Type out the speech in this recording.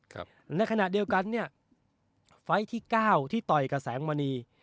ครับในขณะเดียวกันเนี่ยไฟล์ที่เก้าที่ต่อยกับแสงมณี